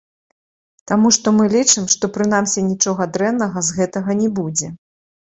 Таму што мы лічым, што прынамсі нічога дрэннага з гэтага не будзе.